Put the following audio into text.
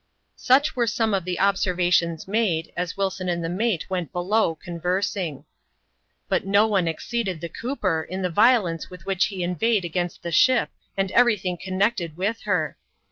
Such were some of the observations made, as Wilson and the mate went below conversing. But no one exceeded the cooper in the violence with which he inveighed against the ship and every thing connected with her.